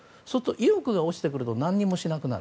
意欲が落ちてくると何もしなくなる。